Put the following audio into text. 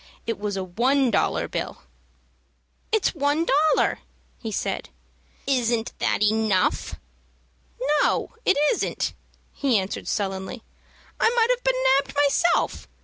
It was a one dollar bill! "It's one dollar," he said. "Isn't that enough?" "No, it isn't," he answered, sullenly. "I might 'ave been nabbed myself.